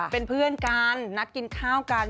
เป็นเพื่อนกันนัดกินข้าวกัน